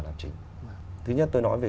làm chính thứ nhất tôi nói về